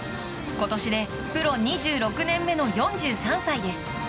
今シーズンでプロ２６年目の４３歳です。